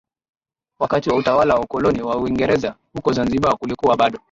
Wakati wa utawala wa ukoloni wa Uingereza huko Zanzibar kulikuwa bado